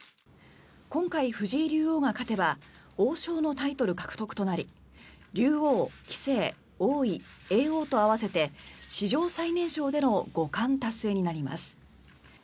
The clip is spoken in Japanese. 今回、藤井竜王が勝てば王将のタイトル獲得となり竜王、棋聖、王位、叡王と合わせて史上最年少での五冠達成になります。